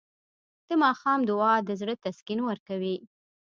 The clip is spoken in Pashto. د ماښام دعا د زړه تسکین ورکوي.